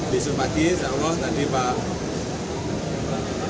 besok pagi insya allah